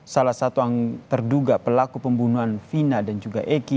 salah satu yang terduga pelaku pembunuhan vina dan juga egy